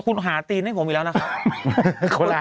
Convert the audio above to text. เชื่อแต่นี้ว่าคุณหนุ่มตั้งใช้คุณหา